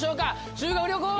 修学旅行は！